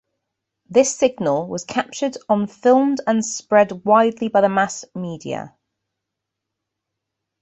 This signal was captured on filmed and spread widely by the mass media.